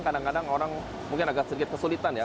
kadang kadang orang mungkin agak sedikit kesulitan ya